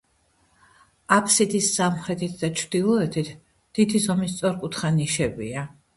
აბსიდის სამხრეთით და ჩრდილოეთით დიდი ზომის სწორკუთხა ნიშებია.